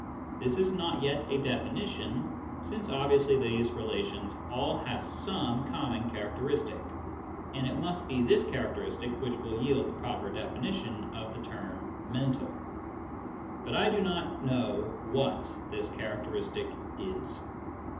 This is not yet a definition, since obviously these relations all have some common characteristic, and it must be this characteristic which will yield the proper definition of the term " mental." But I do not know what this characteristic is.